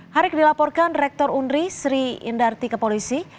karik dilaporkan rektor unri sri indarti kepolisi